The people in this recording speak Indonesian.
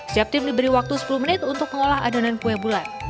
setiap tim diberi waktu sepuluh menit untuk mengolah adonan kue bulan